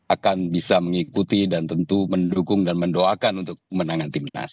akan bisa mengikuti dan tentu mendukung dan mendoakan untuk menangan timnas